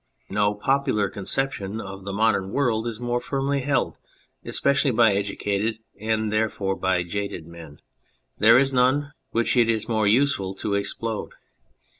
No popular conception of the modern world is more firmly held, especially by educated, and therefore by jaded, men. There is none which it is more useful to explode.